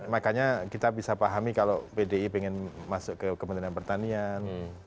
makanya kita bisa pahami kalau pdi ingin masuk ke kementerian pertanian